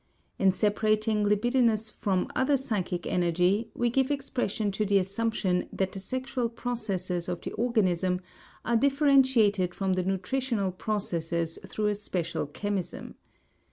In separating libidinous from other psychic energy we give expression to the assumption that the sexual processes of the organism are differentiated from the nutritional processes through a special chemism.